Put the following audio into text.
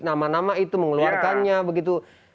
nama nama itu mengeluarkannya begitu